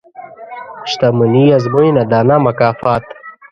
• شتمني ازموینه ده، نه مکافات.